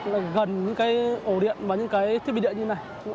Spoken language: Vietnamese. gần những cái ổ điện và những cái thiết bị điện như thế này